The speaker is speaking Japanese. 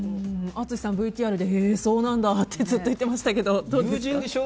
淳さん、ＶＴＲでそうなんだってずっと言ってましたけどどうですか。